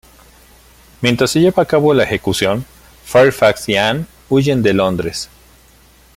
Mientras se lleva a cabo la ejecución, Fairfax y Anne huyen de Londres.